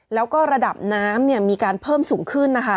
แล้วก็ระดับน้ำมีการเพิ่มสูงขึ้นนะคะ